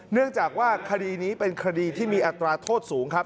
เนื่องจากว่าคดีนี้เป็นคดีที่มีอัตราโทษสูงครับ